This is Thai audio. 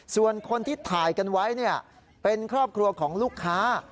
ส่วนคนที่ถ่ายกันไว้เป็นครอบครัวของลูกค้า